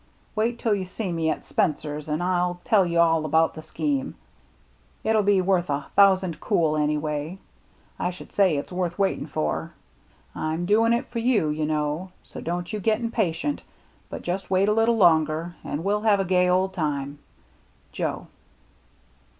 Wait til you see me at Spencer's and He tell you al about the scheme itU be worth a thousand cool anyway I should say its worth waiting for. I'm doing it for you you know so don't you get impatent but just wait a litle longer and we'll have a gay old time. "Joe."